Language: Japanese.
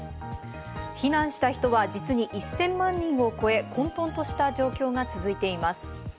避難した人は実に１０００万人を超え、混沌とした状況が続いています。